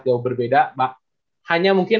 jauh berbeda hanya mungkin